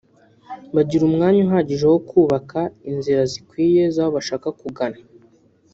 bagira umwanya uhagije wo kubaka inzira zikwiye z’aho bashaka kugana